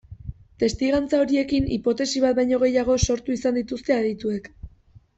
Testigantza horiekin hipotesi bat baino gehiago sortu izan dituzte adituek.